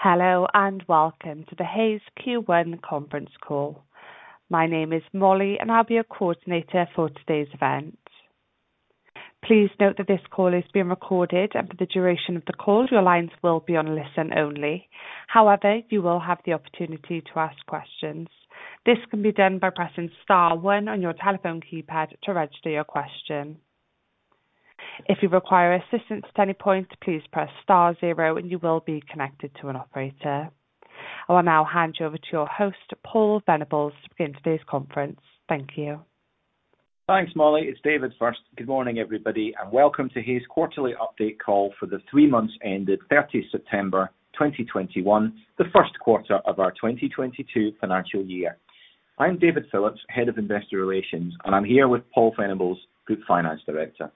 Hello, and welcome to the Hays Q1 conference call. My name is Molly, and I'll be your coordinator for today's event. Please note that this call is being recorded, and for the duration of the call, your lines will be on listen only. However, you will have the opportunity to ask questions. This can be done by pressing star one on your telephone keypad to register your question. If you require assistance at any point, please press star zero and you will be connected to an operator. I will now hand you over to your host, Paul Venables, to begin today's conference. Thank you. Thanks, Molly. It's David first. Good morning, everybody, and welcome to Hays quarterly update call for the three months ended 30 September 2021, the first quarter of our 2022 financial year. I'm David Phillips, Head of Investor Relations, and I'm here with Paul Venables, Group Finance Director.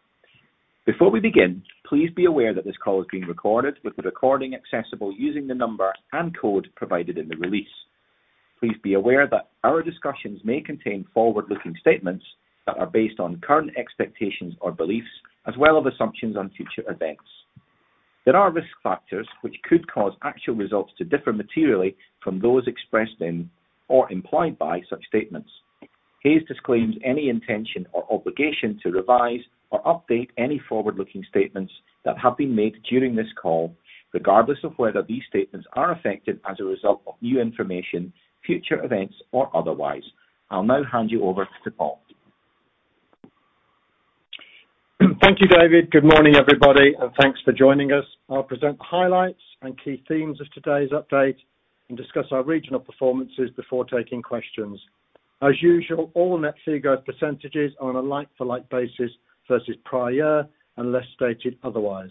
Before we begin, please be aware that this call is being recorded, with the recording accessible using the number and code provided in the release. Please be aware that our discussions may contain forward-looking statements that are based on current expectations or beliefs, as well as assumptions on future events. There are risk factors which could cause actual results to differ materially from those expressed in or implied by such statements. Hays disclaims any intention or obligation to revise or update any forward-looking statements that have been made during this call, regardless of whether these statements are affected as a result of new information, future events, or otherwise. I'll now hand you over to Paul. Thank you, David. Good morning, everybody, and thanks for joining us. I'll present the highlights and key themes of today's update and discuss our regional performances before taking questions. As usual, all net figure percentages are on a like-for-like basis versus prior, unless stated otherwise.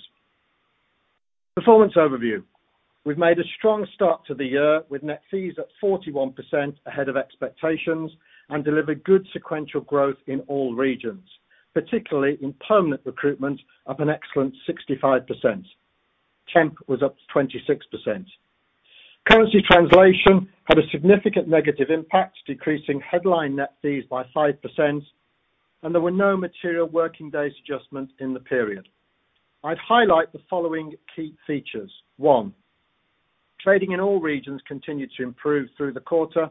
Performance overview. We've made a strong start to the year with net fees at 41% ahead of expectations and delivered good sequential growth in all regions, particularly in permanent recruitment, up an excellent 65%. Temp was up to 26%. Currency translation had a significant negative impact, decreasing headline net fees by 5%, and there were no material working days adjustments in the period. I'd highlight the following key features. One, trading in all regions continued to improve through the quarter,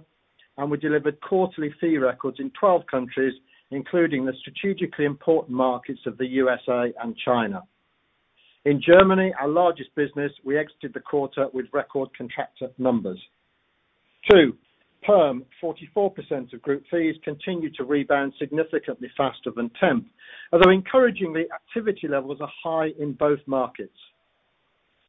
and we delivered quarterly fee records in 12 countries, including the strategically important markets of the U.S.A. and China. In Germany, our largest business, we exited the quarter with record contractor numbers. Two, perm, 44% of group fees, continued to rebound significantly faster than temp. Encouragingly, activity levels are high in both markets.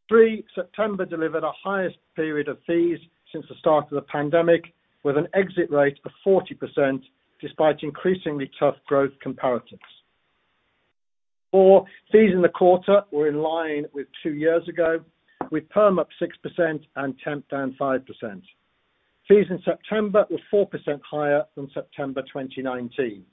Three, September delivered our highest period of fees since the start of the pandemic, with an exit rate of 40%, despite increasingly tough growth comparatives. Four, fees in the quarter were in line with two years ago, with perm up 6% and temp down 5%. Fees in September were 4% higher than September 2019.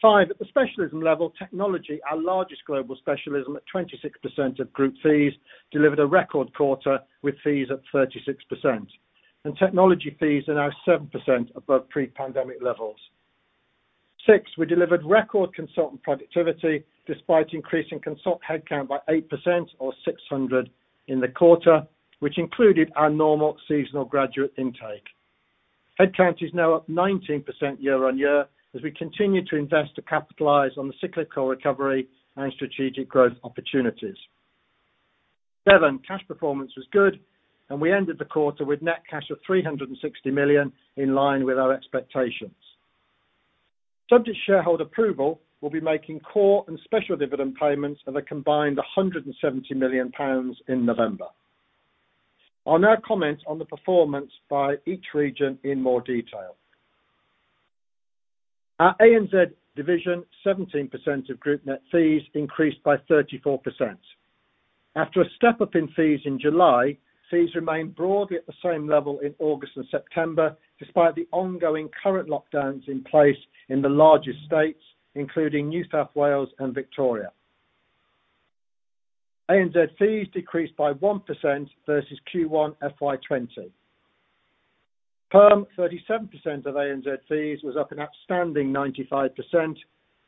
Five, at the specialism level, technology, our largest global specialism at 26% of group fees, delivered a record quarter with fees up 36%. Technology fees are now 7% above pre-pandemic levels. Six, we delivered record consultant productivity despite increasing consult headcount by 8% or 600 in the quarter, which included our normal seasonal graduate intake. Headcount is now up 19% year-on-year as we continue to invest to capitalize on the cyclical recovery and strategic growth opportunities. Seven, cash performance was good, and we ended the quarter with net cash of 360 million, in line with our expectations. Subject to shareholder approval, we'll be making core and special dividend payments of a combined 170 million pounds in November. I'll now comment on the performance by each region in more detail. Our ANZ division, 17% of group net fees, increased by 34%. After a step-up in fees in July, fees remained broadly at the same level in August and September, despite the ongoing current lockdowns in place in the largest states, including New South Wales and Victoria. ANZ fees decreased by 1% versus Q1 FY 2020. Perm, 37% of ANZ fees, was up an outstanding 95%,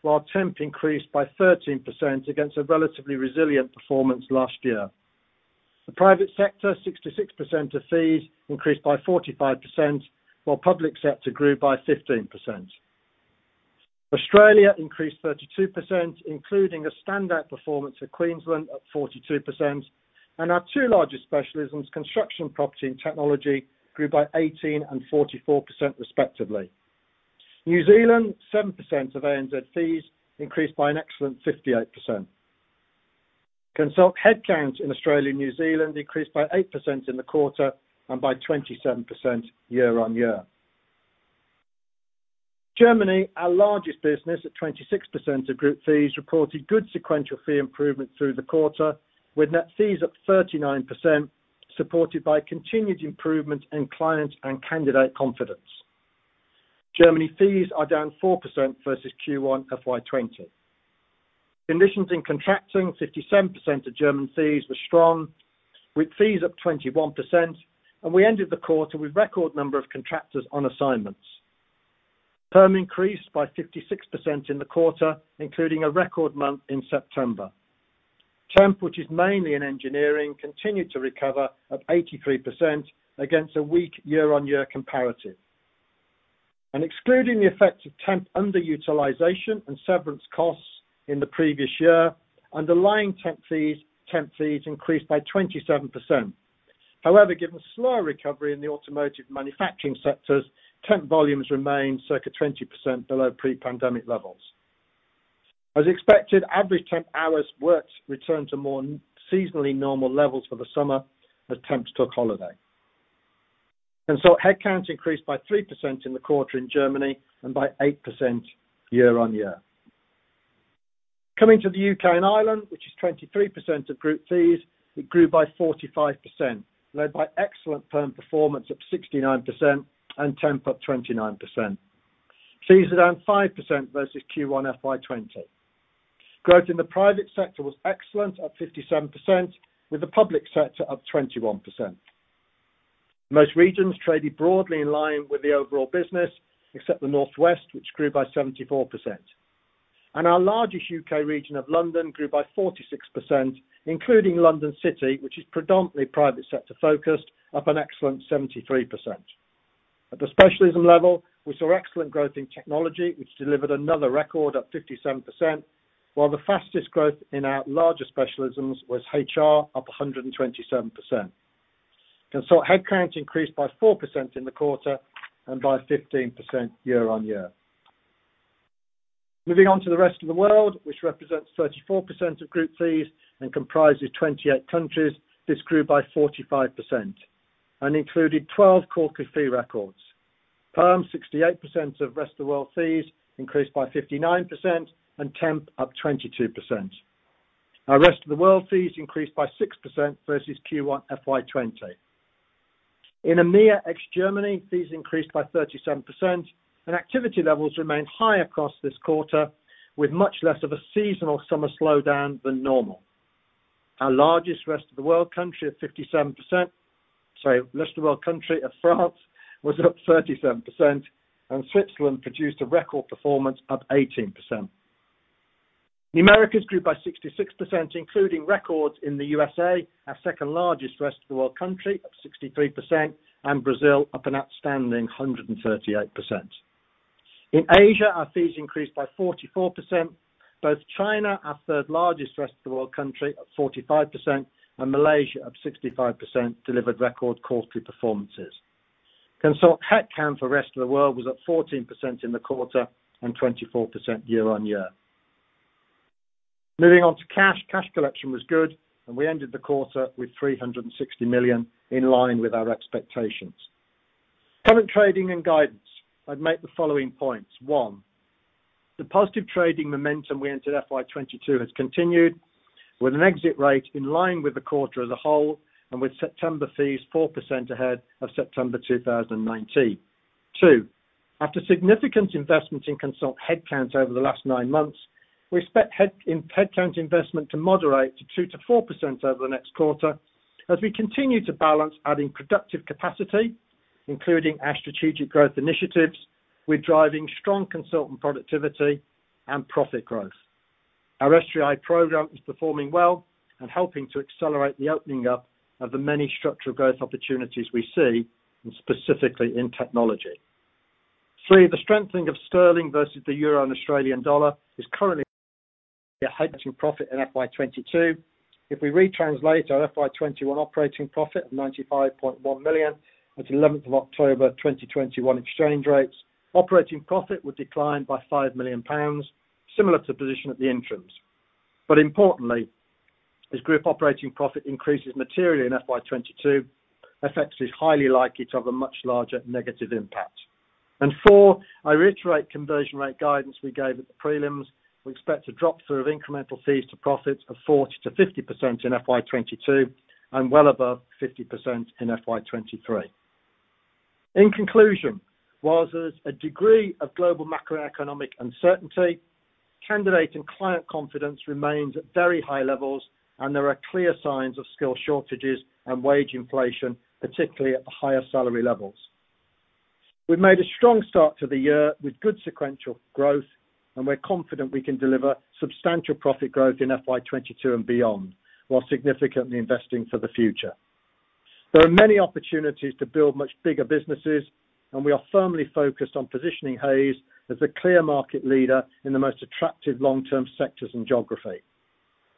while temp increased by 13% against a relatively resilient performance last year. The private sector, 66% of fees, increased by 45%, while public sector grew by 15%. Australia increased 32%, including a standout performance for Queensland at 42%, and our two largest specialisms, construction, property, and technology, grew by 18% and 44%, respectively. New Zealand, 7% of ANZ fees, increased by an excellent 58%. Consult headcount in Australia and New Zealand increased by 8% in the quarter and by 27% year-on-year. Germany, our largest business at 26% of group fees, reported good sequential fee improvement through the quarter, with net fees up 39%, supported by continued improvement in client and candidate confidence. Germany fees are down 4% versus Q1 FY 2020. Conditions in contracting, 57% of German fees, were strong with fees up 21%, and we ended the quarter with record number of contractors on assignments. Perm increased by 56% in the quarter, including a record month in September. Temp, which is mainly in engineering, continued to recover at 83% against a weak year-on-year comparative. Excluding the effect of temp underutilization and severance costs in the previous year, underlying temp fees increased by 27%. However, given slower recovery in the automotive manufacturing sectors, temp volumes remain circa 20% below pre-pandemic levels. As expected, average temp hours worked returned to more seasonally normal levels for the summer as temps took holiday. Headcount increased by 3% in the quarter in Germany and by 8% year-on-year. Coming to the U.K. and Ireland, which is 23% of group fees, it grew by 45%, led by excellent perm performance up 69% and temp up 29%. Fees are down 5% versus Q1 FY 2020. Growth in the private sector was excellent at 57%, with the public sector up 21%. Most regions traded broadly in line with the overall business, except the Northwest, which grew by 74%. Our largest U.K. region of London grew by 46%, including London City, which is predominantly private sector focused, up an excellent 73%. At the specialism level, we saw excellent growth in technology, which delivered another record up 57%, while the fastest growth in our larger specialisms was HR, up 127%. Consult headcount increased by 4% in the quarter and by 15% year-on-year. Moving on to the rest of the world, which represents 34% of group fees and comprises 28 countries. This grew by 45% and included 12 quarterly fee records. Perm, 68% of rest of world fees, increased by 59%, and temp up 22%. Our rest of the world fees increased by 6% versus Q1 FY 2020. In EMEA ex-Germany, fees increased by 37%, and activity levels remained high across this quarter, with much less of a seasonal summer slowdown than normal. Our largest rest of the world country of France was up 37%, and Switzerland produced a record performance up 18%. The Americas grew by 66%, including records in the U.S.A., our second-largest rest of the world country, up 63%, and Brazil up an outstanding 138%. In Asia, our fees increased by 44%. Both China, our third largest rest of the world country, up 45%, and Malaysia up 65%, delivered record quarterly performances. Consult headcount for rest of the world was up 14% in the quarter and 24% year-on-year. Moving on to cash. Cash collection was good, we ended the quarter with 360 million in line with our expectations. Current trading and guidance. I'd make the following points. One, the positive trading momentum we entered FY 2022 has continued with an exit rate in line with the quarter as a whole and with September fees 4% ahead of September 2019. Two, after significant investment in consult headcount over the last nine months, we expect headcount investment to moderate to 2%-4% over the next quarter as we continue to balance adding productive capacity, including our strategic growth initiatives with driving strong consultant productivity and profit growth. Our SGI program is performing well and helping to accelerate the opening up of the many structural growth opportunities we see, specifically in technology. Three, the strengthening of sterling versus the euro and Australian dollar is currently profit in FY 2022. If we retranslate our FY 2021 operating profit of 95.1 million at 11th of October 2021 exchange rates, operating profit would decline by 5 million pounds, similar to position at the interims. Importantly, as group operating profit increases materially in FY 2022, FX is highly likely to have a much larger negative impact. Four, I reiterate conversion rate guidance we gave at the prelims. We expect a drop through of incremental fees to profits of 40%-50% in FY 2022 and well above 50% in FY 2023. In conclusion, whilst there's a degree of global macroeconomic uncertainty, candidate and client confidence remains at very high levels, and there are clear signs of skill shortages and wage inflation, particularly at the higher salary levels. We've made a strong start to the year with good sequential growth, and we're confident we can deliver substantial profit growth in FY 2022 and beyond while significantly investing for the future. There are many opportunities to build much bigger businesses, and we are firmly focused on positioning Hays as the clear market leader in the most attractive long-term sectors and geography.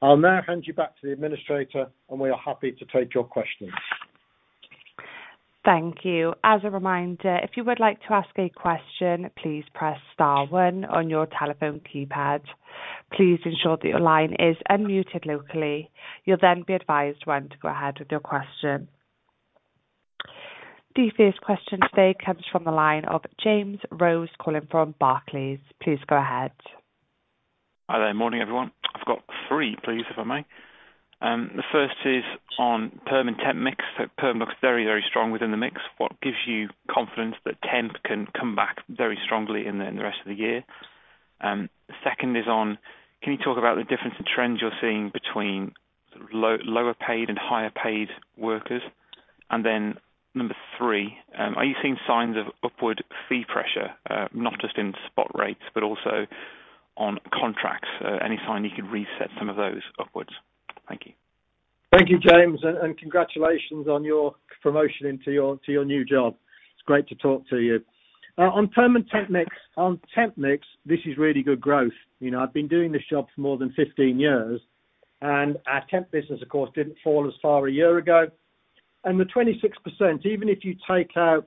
I'll now hand you back to the administrator, and we are happy to take your questions. Thank you. As a reminder, if you would like to ask a question, please press star one on your telephone keypad. Please ensure that your line is unmuted locally. You'll then be advised when to go ahead with your question. The first question today comes from the line of James Rose, calling from Barclays. Please go ahead. Hi there. Morning, everyone. I've got three, please, if I may. The first is on perm and temp mix. Perm looks very strong within the mix. What gives you confidence that temp can come back very strongly in the rest of the year? The second is on, can you talk about the difference in trends you're seeing between lower paid and higher paid workers? Number three, are you seeing signs of upward fee pressure, not just in spot rates, but also on contracts? Any sign you could reset some of those upwards? Thank you. Thank you, James, and congratulations on your promotion into your new job. It's great to talk to you. On perm and temp mix, on temp mix, this is really good growth. I've been doing this job for more than 15 years, and our temp business, of course, didn't fall as far a year ago. The 26%, even if you take out,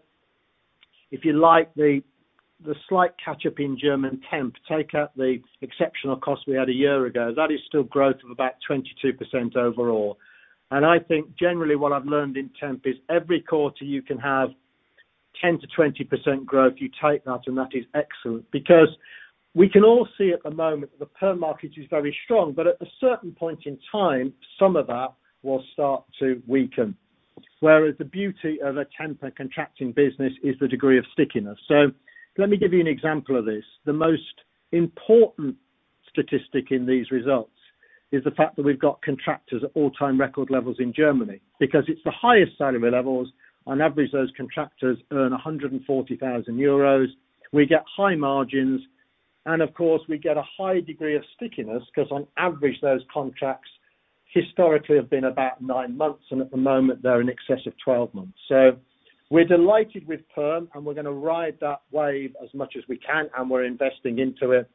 if you like, the slight catch-up in German temp, take out the exceptional cost we had a year ago, that is still growth of about 22% overall. I think generally what I've learned in temp is every quarter you can have 10%-20% growth. You take that, and that is excellent, because we can all see at the moment that the perm market is very strong, but at a certain point in time, some of that will start to weaken. Whereas the beauty of a temporary staffing and contracting business is the degree of stickiness. Let me give you an example of this. The most important statistic in these results is the fact that we've got contractors at all-time record levels in Germany, because it's the highest salary levels. On average, those contractors earn 140,000 euros. We get high margins, and of course, we get a high degree of stickiness because on average, those contracts historically have been about nine months, and at the moment, they're in excess of 12 months. We're delighted with permanent placements, and we're going to ride that wave as much as we can, and we're investing into it.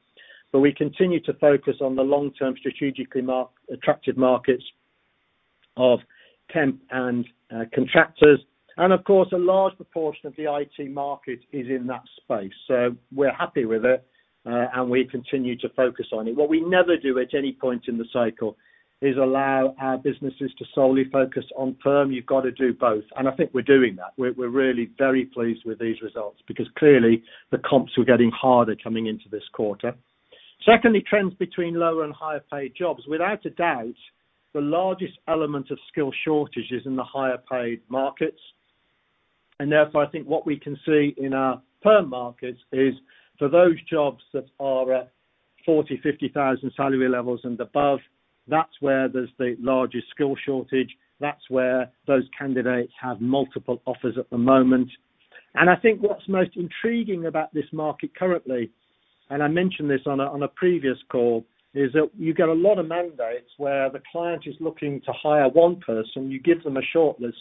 We continue to focus on the long-term strategically attractive markets of temporary staffing and contractors. Of course, a large proportion of the IT market is in that space. We're happy with it, and we continue to focus on it. What we never do at any point in the cycle is allow our businesses to solely focus on perm. You've got to do both. I think we're doing that. We're really very pleased with these results because clearly the comps were getting harder coming into this quarter. Secondly, trends between lower and higher paid jobs. Without a doubt, the largest element of skill shortage is in the higher paid markets. Therefore, I think what we can see in our perm markets is for those jobs that are at 40,000, 50,000 salary levels and above, that's where there's the largest skill shortage. That's where those candidates have multiple offers at the moment. I think what's most intriguing about this market currently, and I mentioned this on a previous call, is that you get a lot of mandates where the client is looking to hire one person. You give them a shortlist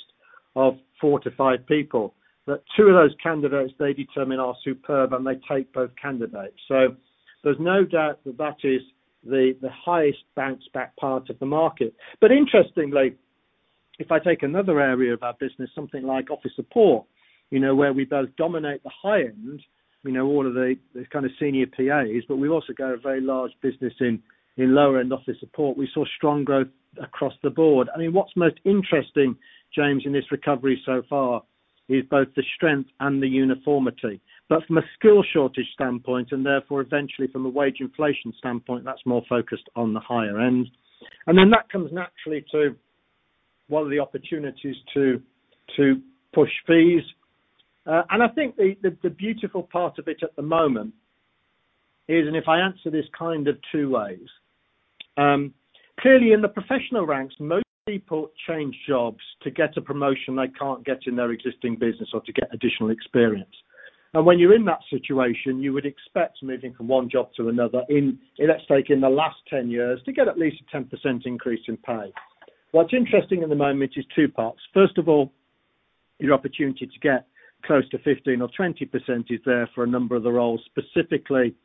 of four to five people. That two of those candidates they determine are superb, and they take both candidates. There's no doubt that that is the highest bounce back part of the market. Interestingly, if I take another area of our business, something like office support, where we both dominate the high end, all of the kind of senior PAs, but we've also got a very large business in lower end office support. We saw strong growth across the board. I mean, what's most interesting, James, in this recovery so far is both the strength and the uniformity. From a skill shortage standpoint, and therefore eventually from a wage inflation standpoint, that's more focused on the higher end. That comes naturally to one of the opportunities to push fees. I think the beautiful part of it at the moment is, if I answer this kind of two ways. Clearly in the professional ranks, most people change jobs to get a promotion they can't get in their existing business or to get additional experience. When you're in that situation, you would expect moving from one job to another in, let's take in the last 10 years, to get at least a 10% increase in pay. What's interesting at the moment is two parts. First of all, your opportunity to get close to 15% or 20% is there for a number of the roles, specifically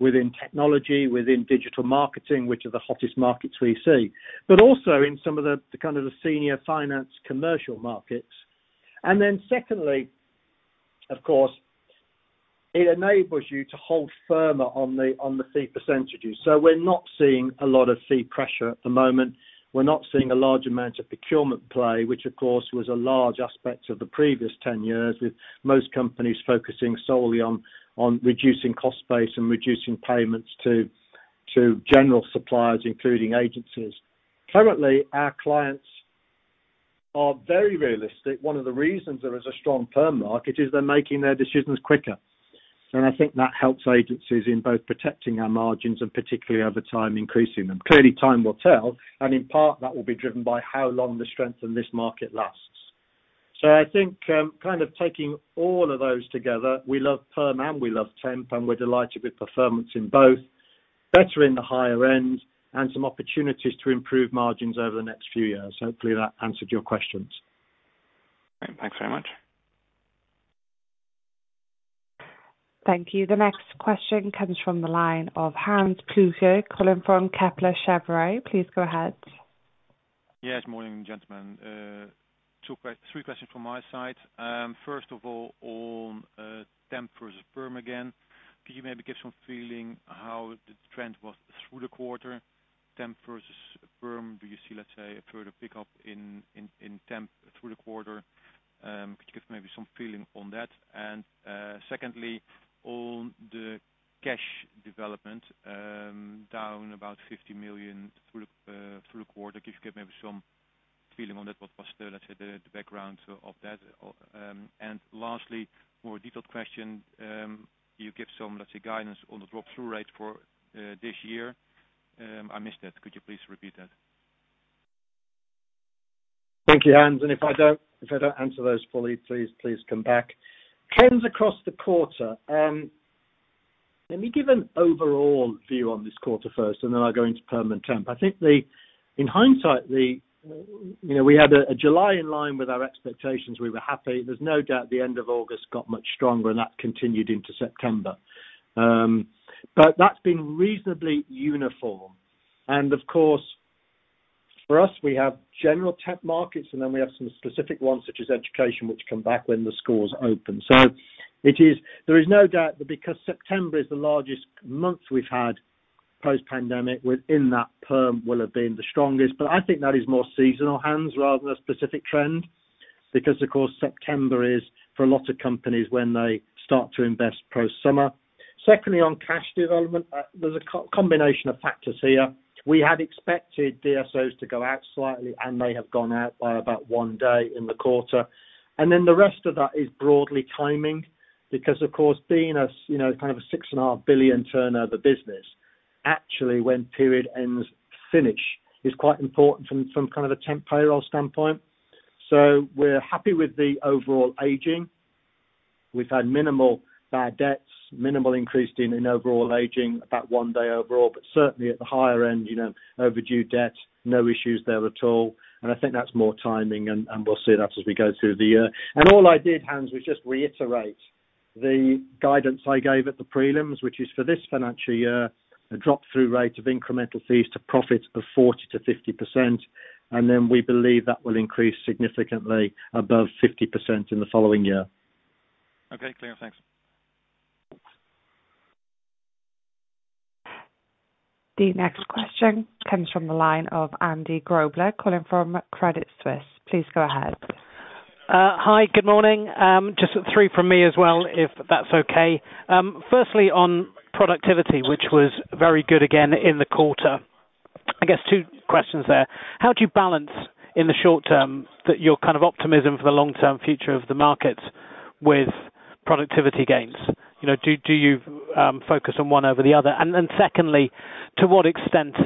within technology, within digital marketing, which are the hottest markets we see. Also in some of the kind of the senior finance commercial markets. Secondly, of course, it enables you to hold firmer on the fee percentages. We're not seeing a lot of fee pressure at the moment. We're not seeing a large amount of procurement play, which of course, was a large aspect of the previous 10 years, with most companies focusing solely on reducing cost base and reducing payments to general suppliers, including agencies. Currently, our clients are very realistic. One of the reasons there is a strong perm market is they're making their decisions quicker. I think that helps agencies in both protecting our margins and particularly over time, increasing them. Clearly, time will tell, and in part that will be driven by how long the strength in this market lasts. I think kind of taking all of those together, we love perm and we love temp, and we're delighted with performance in both, better in the higher end, and some opportunities to improve margins over the next few years. Hopefully that answered your questions. Great. Thanks very much. Thank you. The next question comes from the line of Hans Pluijgers calling from Kepler Cheuvreux. Please go ahead. Yes, morning, gentlemen. Three questions from my side. First of all, on temp versus perm again. Could you maybe give some feeling how the trend was through the quarter, temp versus perm? Do you see, let's say, a further pickup in temp through the quarter? Could you give maybe some feeling on that? Secondly, on the cash development, down about 50 million through the quarter. Could you give maybe some feeling on that? What was the background of that? Lastly, more detailed question. You give some, let's say, guidance on the drop-through rate for this year. I missed it. Could you please repeat that? Thank you, Hans, and if I don't answer those fully, please come back. Trends across the quarter. Let me give an overall view on this quarter first, and then I'll go into perm and temp. I think, in hindsight, we had a July in line with our expectations. We were happy. There's no doubt the end of August got much stronger, and that continued into September. That's been reasonably uniform. Of course, for us, we have general temp markets, and then we have some specific ones, such as education, which come back when the schools open. There is no doubt that because September is the largest month we've had post-pandemic, within that perm will have been the strongest. I think that is more seasonal, Hans, rather than a specific trend, because, of course, September is, for a lot of companies, when they start to invest pro summer. Secondly, on cash development, there's a combination of factors here. We had expected DSOs to go out slightly, and they have gone out by about one day in the quarter. The rest of that is broadly timing because, of course, being a kind of a 6.5 billion turnover business, actually when period ends finish is quite important from some kind of a temp payroll standpoint. We're happy with the overall aging. We've had minimal bad debts, minimal increase in overall aging, about one day overall, but certainly at the higher end, overdue debt, no issues there at all. I think that's more timing and we'll see that as we go through the year. All I did, Hans, was just reiterate the guidance I gave at the prelims, which is for this financial year, a drop-through rate of incremental fees to profit of 40%-50%, and then we believe that will increase significantly above 50% in the following year. Okay, clear. Thanks. The next question comes from the line of Andy Grobler calling from Credit Suisse. Please go ahead. Hi, good morning. Three from me as well, if that's okay. Firstly, on productivity, which was very good again in the quarter. Two questions there. How do you balance in the short term that your kind of optimism for the long-term future of the market with productivity gains? Do you focus on one over the other? Secondly, to what extent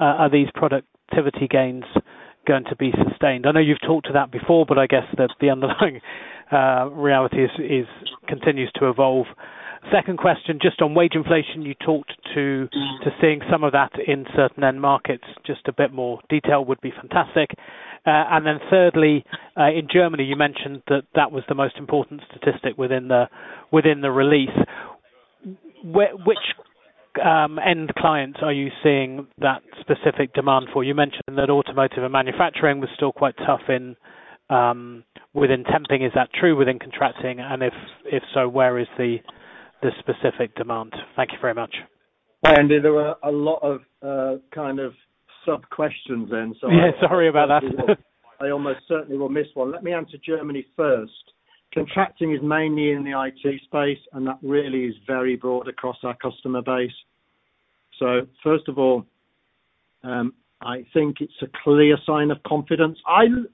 are these productivity gains going to be sustained? I know you've talked to that before, but the underlying reality continues to evolve. Second question on wage inflation. You talked to seeing some of that in certain end markets. A bit more detail would be fantastic. Thirdly, in Germany, you mentioned that that was the most important statistic within the release. Which end client are you seeing that specific demand for? You mentioned that automotive and manufacturing was still quite tough within temping. Is that true within contracting? If so, where is the specific demand? Thank you very much. Andy, there were a lot of kind of sub-questions then. Yeah, sorry about that. I almost certainly will miss one. Let me answer Germany first. Contracting is mainly in the IT space, and that really is very broad across our customer base. First of all, I think it's a clear sign of confidence.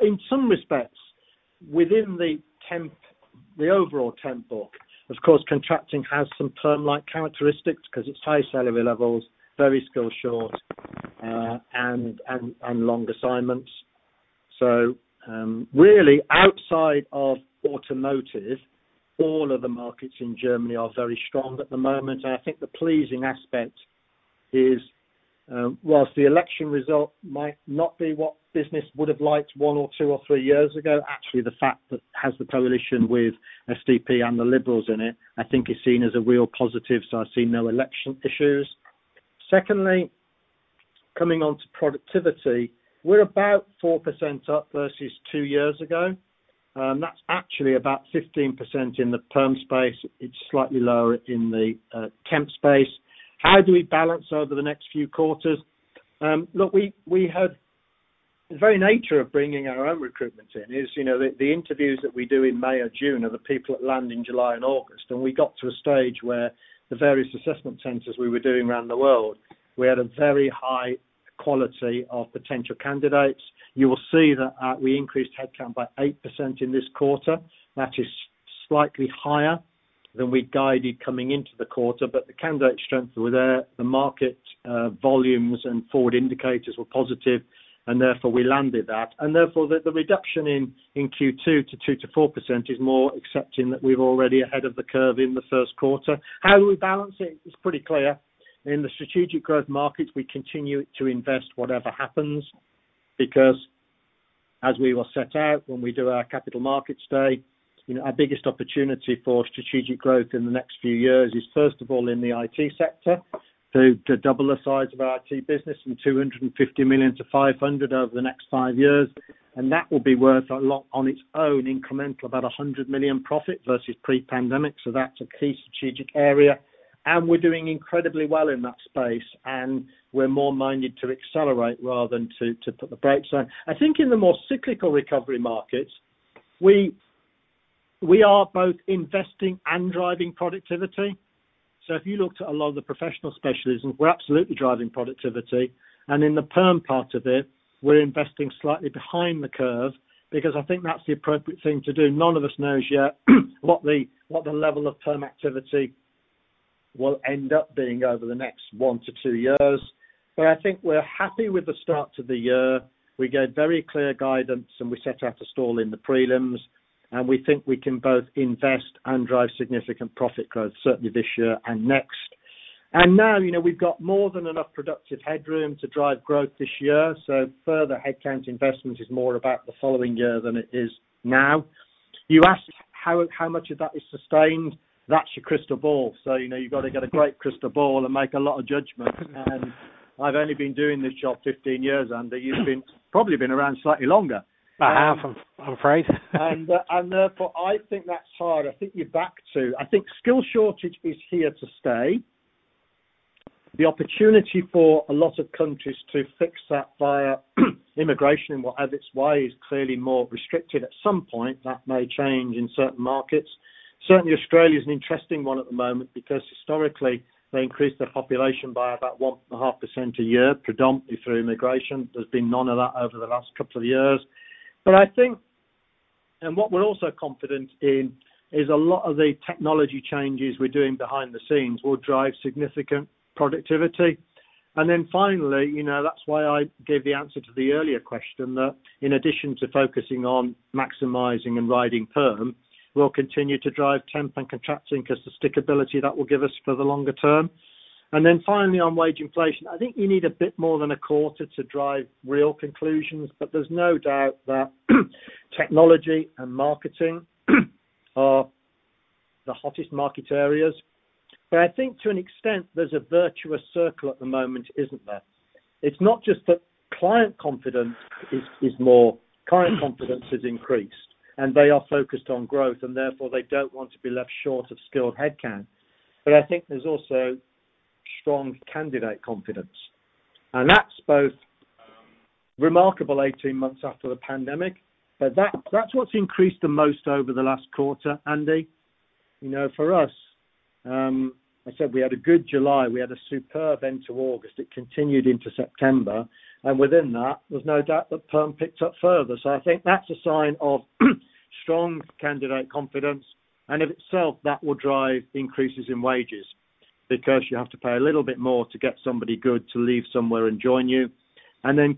In some respects, within the overall temp book, of course, contracting has some perm-like characteristics because it's high salary levels, very skill short, and long assignments. Really outside of automotive, all of the markets in Germany are very strong at the moment. I think the pleasing aspect is, whilst the election result might not be what business would have liked one year or two years or three years ago, actually, the fact that has the coalition with SPD and the Liberals in it, I think is seen as a real positive. I see no election issues. Secondly, coming on to productivity. We're about 4% up versus two years ago. That's actually about 15% in the perm space. It's slightly lower in the temp space. How do we balance over the next few quarters? Look, the very nature of bringing our own recruitment in is the interviews that we do in May or June are the people that land in July and August. We got to a stage where the various assessment centers we were doing around the world, we had a very high quality of potential candidates. You will see that we increased headcount by 8% in this quarter. That is slightly higher than we'd guided coming into the quarter, but the candidate strengths were there. The market volumes and forward indicators were positive, and therefore we landed that. Therefore, the reduction in Q2 to 2%-4% is more accepting that we're already ahead of the curve in the first quarter. How we balance it is pretty clear. In the strategic growth markets, we continue to invest whatever happens because as we will set out when we do our capital markets day, our biggest opportunity for strategic growth in the next few years is first of all in the IT sector, to double the size of our IT business from 250 million-500 million over the next five years. That will be worth a lot on its own incremental, about 100 million profit versus pre-pandemic. That's a key strategic area. We're doing incredibly well in that space, and we're more minded to accelerate rather than to put the brakes on. I think in the more cyclical recovery markets, We are both investing and driving productivity. If you looked at a lot of the professional specialisms, we're absolutely driving productivity. In the perm part of it, we're investing slightly behind the curve because I think that's the appropriate thing to do. None of us knows yet what the level of perm activity will end up being over the next one to two years. I think we're happy with the start to the year. We gave very clear guidance and we set out a stall in the prelims, and we think we can both invest and drive significant profit growth, certainly this year and next. Now, we've got more than enough productive headroom to drive growth this year, so further headcount investment is more about the following year than it is now. You asked how much of that is sustained. That's your crystal ball. You've got to get a great crystal ball and make a lot of judgments. I've only been doing this job 15 years, Andy. You've probably been around slightly longer. I have, I'm afraid. Therefore, I think that's hard. I think you're back to skill shortage is here to stay. The opportunity for a lot of countries to fix that via immigration in whatever its way is clearly more restricted. At some point, that may change in certain markets. Certainly Australia is an interesting one at the moment because historically they increased their population by about 1.5% a year, predominantly through immigration. There's been none of that over the last couple of years. I think what we're also confident in is a lot of the technology changes we're doing behind the scenes will drive significant productivity. Then finally, that's why I gave the answer to the earlier question that in addition to focusing on maximizing and riding perm, we'll continue to drive temp and contracting because the stickability that will give us for the longer term. Finally on wage inflation, I think you need a bit more than a quarter to drive real conclusions, but there's no doubt that technology and marketing are the hottest market areas. I think to an extent there's a virtuous circle at the moment, isn't there? It's not just that client confidence has increased, and they are focused on growth and therefore they don't want to be left short of skilled headcount. I think there's also strong candidate confidence, and that's both remarkable 18 months after the pandemic. That's what's increased the most over the last quarter, Andy. For us, I said we had a good July. We had a superb end to August. It continued into September. Within that, there's no doubt that perm picked up further. I think that's a sign of strong candidate confidence, and in itself, that will drive increases in wages because you have to pay a little bit more to get somebody good to leave somewhere and join you.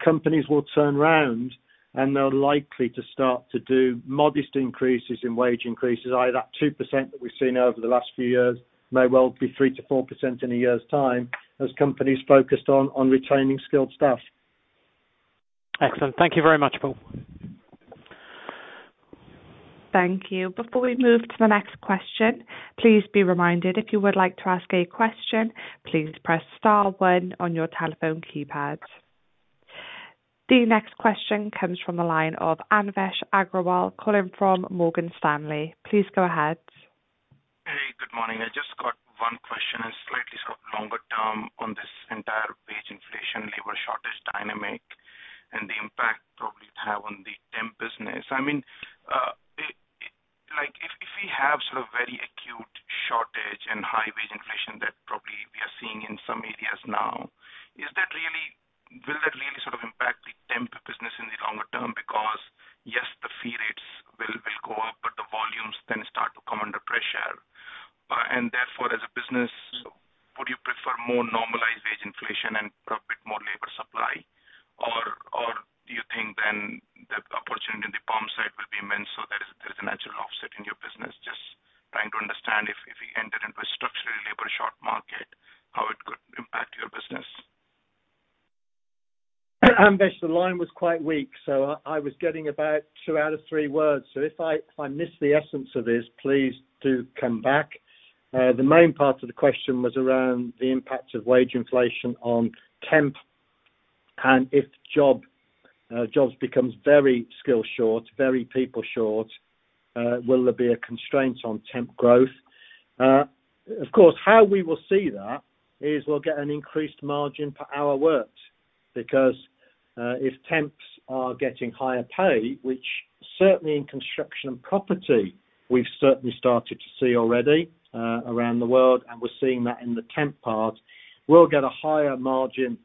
Companies will turn round and they're likely to start to do modest increases in wage increases. Either that 2% that we've seen over the last few years may well be 3%-4% in a year's time as companies focused on retaining skilled staff. Excellent. Thank you very much, Paul. Thank you. The next question comes from the line of Anvesh Agrawal calling from Morgan Stanley. Please go ahead. Hey, good morning. I just got one question and slightly sort of longer term on this entire wage inflation, labor shortage dynamic and the impact probably it have on the temp business. If we have sort of very acute shortage and high wage inflation if temps are getting higher pay, which certainly in construction and property, we've certainly started to see already around the world, and we're seeing that in the temp part, we'll get a higher margin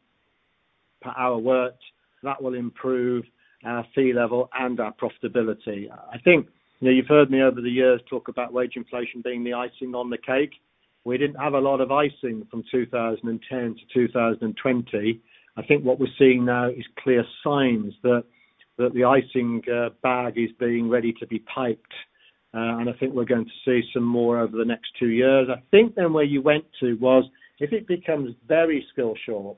per hour worked that will improve our fee level and our profitability. I think you've heard me over the years talk about wage inflation being the icing on the cake. We didn't have a lot of icing from 2010-2020. I think what we're seeing now is clear signs that the icing bag is being ready to be piped. I think we're going to see some more over the next two years. I think where you went to was if it becomes very skill short,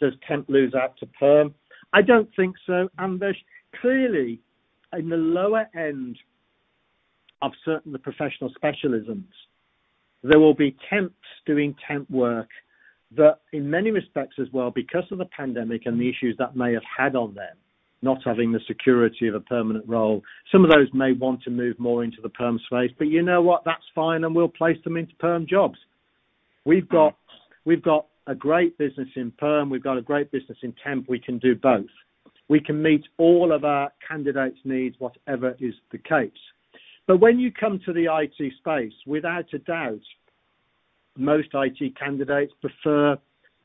does temp lose out to perm? I don't think so, Anvesh. Clearly, in the lower end of certain professional specialisms, there will be temps doing temp work that in many respects as well because of the pandemic and the issues that may have had on them not having the security of a permanent role. Some of those may want to move more into the perm space, you know what? That's fine and we'll place them into perm jobs. We've got a great business in perm. We've got a great business in temp. We can do both. We can meet all of our candidates' needs, whatever is the case. When you come to the IT space, without a doubt, most IT candidates prefer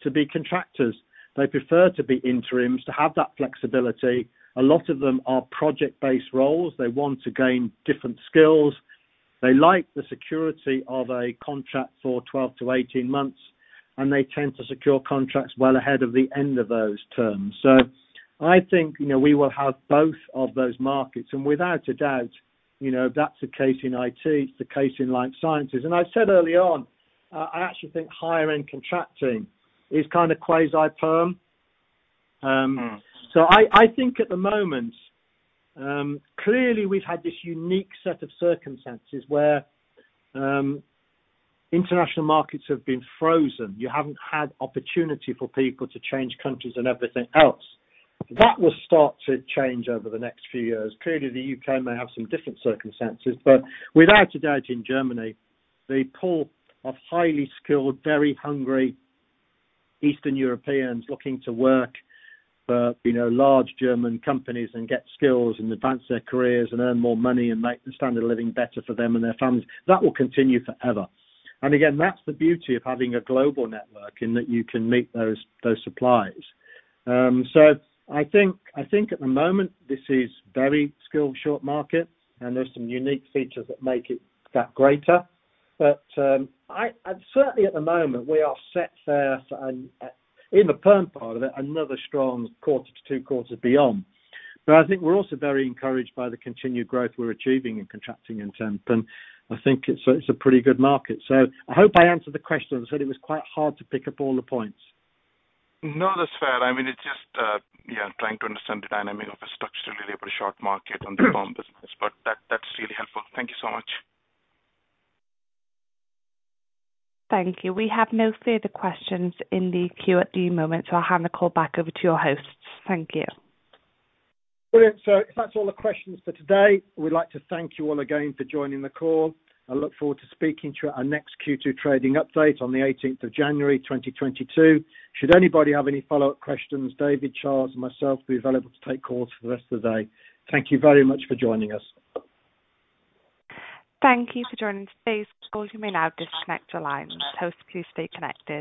to be contractors. They prefer to be interims, to have that flexibility. A lot of them are project-based roles. They want to gain different skills. They like the security of a contract for 12 months-18 months, and they tend to secure contracts well ahead of the end of those terms. I think we will have both of those markets, and without a doubt, that's the case in IT, it's the case in life sciences. I said early on, I actually think higher-end contracting is kind of quasi-perm. I think at the moment, clearly we've had this unique set of circumstances where international markets have been frozen. You haven't had opportunity for people to change countries and everything else. That will start to change over the next few years. Clearly, the U.K. may have some different circumstances, but without a doubt, in Germany, the pool of highly skilled, very hungry Eastern Europeans looking to work for large German companies and get skills and advance their careers and earn more money and make the standard of living better for them and their families, that will continue forever. Again, that's the beauty of having a global network, in that you can meet those supplies. I think at the moment, this is very skill short market, and there's some unique features that make it that greater. Certainly at the moment, we are set fair for, in the perm part of it, another strong quarter to two quarters beyond. I think we're also very encouraged by the continued growth we're achieving in contracting and temp, and I think it's a pretty good market. I hope I answered the question. I said it was quite hard to pick up all the points. No, that's fair. It's just trying to understand the dynamic of a structurally labor short market and the perm business. That's really helpful. Thank you so much. Thank you. We have no further questions in the queue at the moment, so I'll hand the call back over to your hosts. Thank you. Brilliant. If that's all the questions for today, we'd like to thank you all again for joining the call and look forward to speaking to our next Q2 trading update on the 18th of January, 2022. Should anybody have any follow-up questions, David, Charles, and myself will be available to take calls for the rest of the day. Thank you very much for joining us. Thank you for joining today's call. You may now disconnect your lines. Hosts, please stay connected.